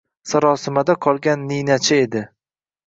Sarosimada qolgan ninachi edi.